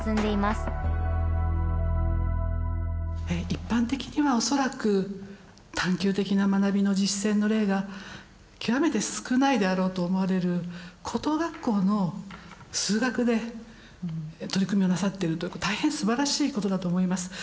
一般的には恐らく探究的な学びの実践の例が極めて少ないであろうと思われる高等学校の数学で取り組みをなさってると大変すばらしいことだと思います。